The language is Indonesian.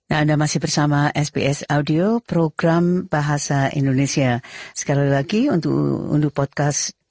anda bersama sbs bahasa indonesia